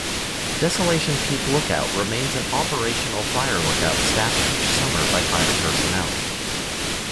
Desolation Peak Lookout remains an operational fire lookout staffed each summer by fire personnel.